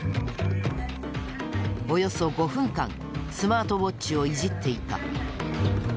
およそ５分間スマートウォッチをいじっていた。